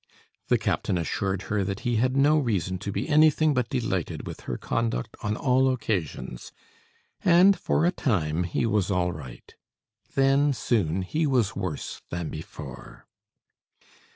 The captain assured her that he had no reason to be anything but delighted with her conduct on all occasions, and for a time he was all right. Then soon he was worse than before.